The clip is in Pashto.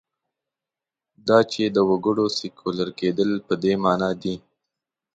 دا چې د وګړو سیکولر کېدل په دې معنا دي.